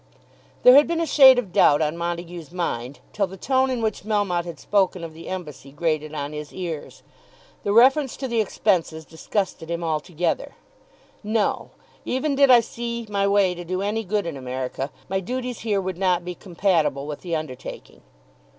There had been a shade of doubt on Montague's mind, till the tone in which Melmotte had spoken of the embassy grated on his ears. The reference to the expenses disgusted him altogether. "No; even did I see my way to do any good in America my duties here would not be compatible with the undertaking."